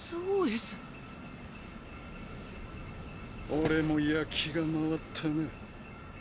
俺も焼きが回ったな。